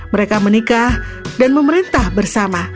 mereka menikah dan memerintah bersama